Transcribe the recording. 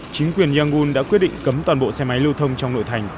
chính quyền yangun đã quyết định cấm toàn bộ xe máy lưu thông trong nội thành